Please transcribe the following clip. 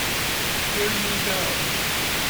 Here you go.